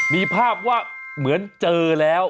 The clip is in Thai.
มีภาพว่าเหมือนเจอแล้ว